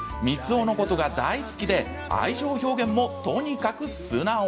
三男のことが大好きで愛情表現もとにかく素直。